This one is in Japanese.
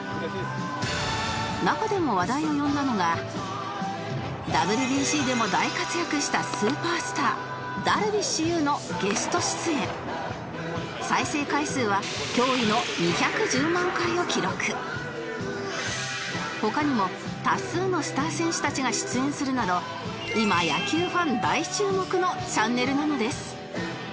中でも話題を呼んだのが ＷＢＣ でも大活躍したスーパースターダルビッシュ有のゲスト出演再生回数は驚異の２１０万回を記録他にも多数のスター選手たちが出演するなど今野球ファン大注目のチャンネルなのです